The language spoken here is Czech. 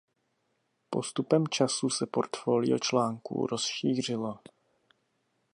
Postupem času se portfolio článků rozšířilo.